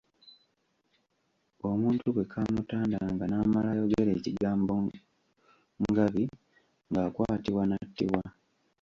Omuntu bwe kaamutandanga n'amala ayogera ekigambo ngabi, ng'akwatibwa n'attibwa.